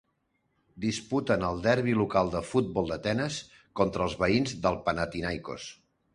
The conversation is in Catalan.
Disputen el derbi local de futbol d'Atenes contra els veïns del Panathinaikos.